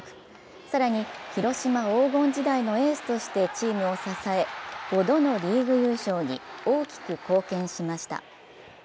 更に広島黄金時代のエースとしてチームを支え５度のリーグ優勝に大きく貢献しました。